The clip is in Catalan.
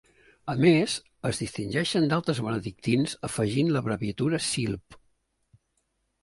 A més, es distingeixen d'altres benedictins afegint l'abreviatura Silv.